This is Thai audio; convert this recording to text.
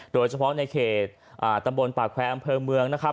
โดยเฉพาะในเขตตำบลปากแควร์อำเภอเมืองนะครับ